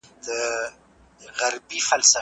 د رنګ کچه یې د ځانګړو الاتو په مرسته معلومېږي.